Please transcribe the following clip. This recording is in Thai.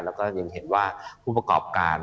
แล้วก็ยังเห็นว่าผู้ประกอบการ